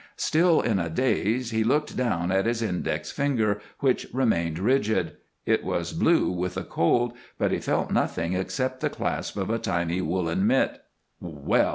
Still in a daze, he looked down at his index finger, which remained rigid; it was blue with the cold, but he felt nothing except the clasp of a tiny woolen mitt. "_Well!